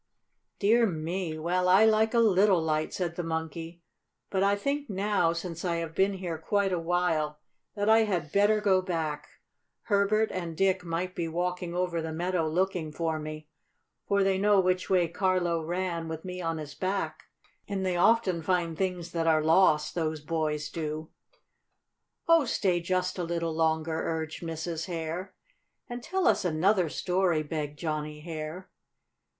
"Dear me! Well, I like a little light," said the Monkey. "But I think now, since I have been here quite a while, that I had better go back. Herbert and Dick might be walking over the meadow, looking for me, for they know which way Carlo ran, with me on his back, and they often find things that are lost those boys do." "Oh, stay just a little longer," urged Mrs. Hare. "And tell us another story!" begged Johnnie Hare.